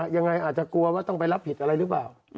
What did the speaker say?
ยังไงอาจจะกลัวว่าต้องไปรับผิดอะไรหรือเปล่า